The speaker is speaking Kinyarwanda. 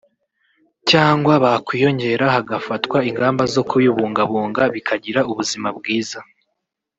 cyangwa byakwiyongera hagafatwa ingamba zo kubibungabunga bikagira ubuzima bwiza